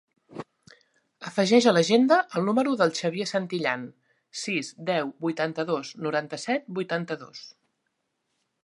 Afegeix a l'agenda el número del Xavier Santillan: sis, deu, vuitanta-dos, noranta-set, vuitanta-dos.